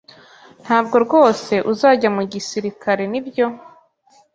Ntabwo rwose uzajya mu gisirikare, nibyo?